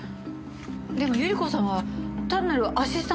でも百合子さんは単なるアシスタントだったわけでしょ？